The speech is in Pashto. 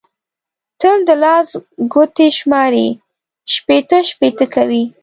تل د لاس ګوتې شماري؛ شپېته شپېته کوي.